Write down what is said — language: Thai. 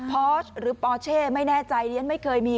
พอสหรือปอเช่ไม่แน่ใจเรียนไม่เคยมี